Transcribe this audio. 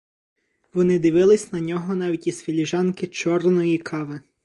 Вони дивились на нього навіть із філіжанки чорної кави.